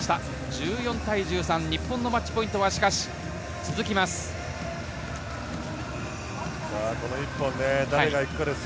１４対１３、日本のマッチポイントは続きます。